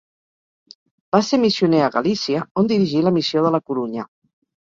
Va ser missioner a Galícia on dirigí la Missió de la Corunya.